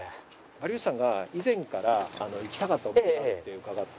有吉さんが以前から行きたかったお店があるって伺って。